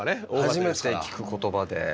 初めて聞く言葉で。